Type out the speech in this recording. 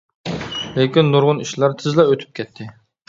لېكىن نۇرغۇن ئىشلار تېزلا ئۆتۈپ كەتتى.